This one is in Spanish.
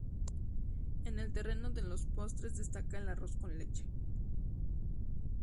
En el terreno de los postres destaca el arroz con leche.